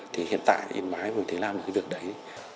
thì hiện tại yên bái mới thấy làm được cái việc đấy